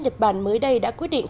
nhật bản mới đây đã quyết định